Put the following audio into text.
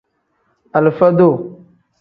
Alifa-duu.